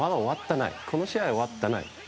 この試合、終わってない。